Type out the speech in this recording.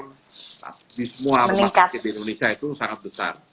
nah di semua rumah sakit di indonesia itu sangat besar